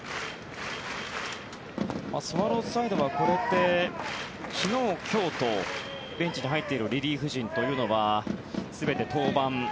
スワローズサイドはこれで昨日、今日とベンチに入っているリリーフ陣というのは全て登板。